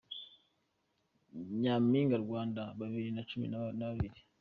Nyaminga Rwanda Bibiri Nacumi Nakabiri